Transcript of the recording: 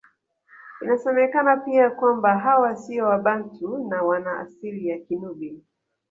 Inasemekana pia kwamba hawa siyo Wabantu na wana asili ya Kinubi